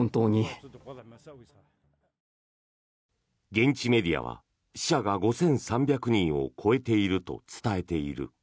現地メディアは死者が５３００人を超えていると伝えている。